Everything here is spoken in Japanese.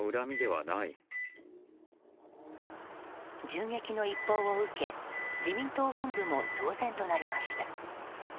銃撃の一報を受け自民党本部も騒然となりました。